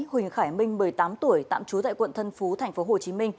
huỳnh khải minh một mươi tám tuổi tạm trú tại quận tân phú tp hcm